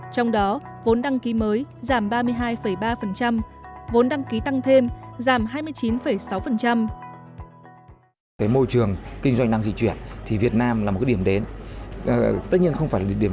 trong đó vốn đăng ký mới giảm ba mươi hai ba vốn đăng ký tăng thêm giảm hai mươi chín sáu